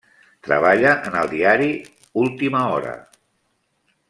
Treballa en el diari Última Hora.